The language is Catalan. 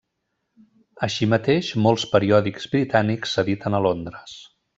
Així mateix, molts periòdics britànics s'editen a Londres.